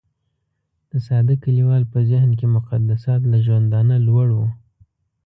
د ساده کليوال په ذهن کې مقدسات له ژوندانه لوړ وو.